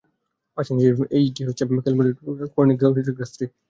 পাঁচ ইঞ্চির HD AMOLED ডিসপ্লের ফোনটিতে আছে কর্নিং গরিলা গ্লাস থ্রি।